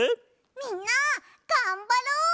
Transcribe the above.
みんながんばろう！